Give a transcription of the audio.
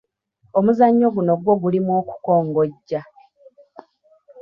Omuzannyo guno gwo gulimu okukongojja.